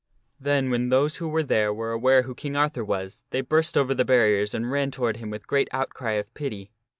Then when those who were there were aware who King Arthur was, they burst over the barriers and ran toward him with great outcry of pity.